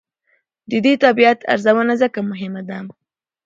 د دې طبیعت ارزونه ځکه مهمه ده.